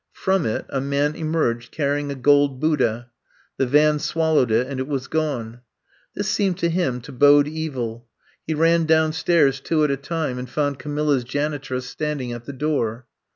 From it a man emerged carrying a gold Buddha ; the van swallowed it, and it was gone. This seemed to him to bode evil. He ran downstairs two at a time and found Ca milla's janitress standing at the door.